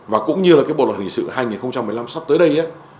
và cũng như là cái bộ luật hình sự hai nghìn một mươi năm sắp tới đây